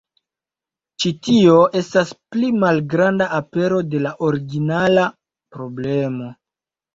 Ĉi tio estas pli malgranda apero de la originala problemo.